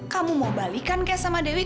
kamu mau balikan kayak sama dewi